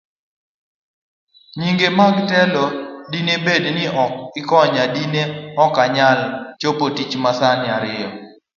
Nyinge mag telo Dine bed ni ok ikonya, dine okanyal chopotich masani atiyo.